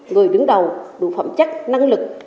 người đứng đầu đủ phẩm chắc năng lực